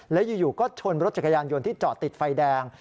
แล้วอยู่ก็ชนรถจักรยานยนต์ที่จอดติดไฟแดง